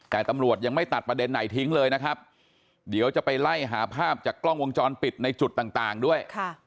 แต่ตำรวจยังไม่ตัดประเด็นไหนทิ้งเลยนะครับเดี๋ยวจะไปไล่หาภาพจากกล้องวงจรปิดในจุดต่างด้วย